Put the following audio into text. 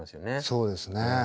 そうですね。